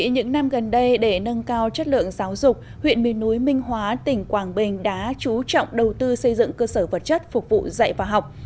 những năm gần đây để nâng cao chất lượng giáo dục huyện miền núi minh hóa tỉnh quảng bình đã chú trọng đầu tư xây dựng cơ sở vật chất phục vụ dạy và học